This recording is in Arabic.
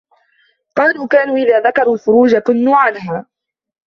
قَالَ كَانُوا إذَا ذَكَرُوا الْفُرُوجَ كَنَّوْا عَنْهَا